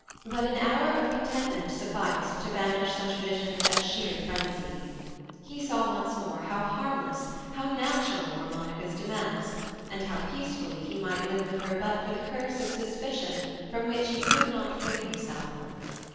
But an hour of contentment sufficed to banish such visions as sheer frenzy. He saw once more how harmless, how natural, were Monica's demands, and how peacefully he might live with her but for the curse of suspicion from which he could not free himself.